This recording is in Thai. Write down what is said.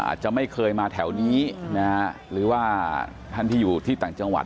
อาจจะไม่เคยมาแถวนี้นะฮะหรือว่าท่านที่อยู่ที่ต่างจังหวัด